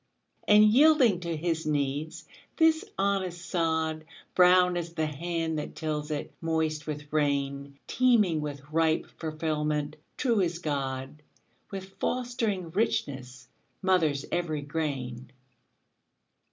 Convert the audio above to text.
And yielding to his needs, this honest sod, Brown as the hand that tills it, moist with rain, Teeming with ripe fulfilment, true as God, With fostering richness, mothers every grain.